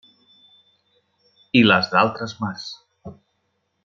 I les d'altres mars.